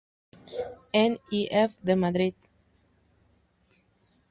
N. E. F. de Madrid.